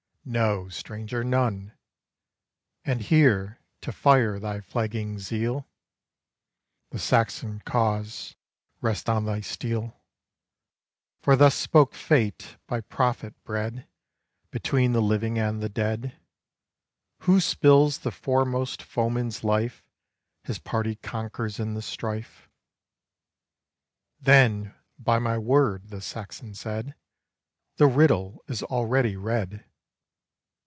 "No, Stranger, none; And hear, to fire thy flagging zeal, The Saxon cause rests on thy steel; For thus spoke Fate, by prophet bred Between the living and the dead: 'Who spills the foremost foeman's life, His party conquers in the strife.'" "Then, by my word," the Saxon said, "The riddle is already read.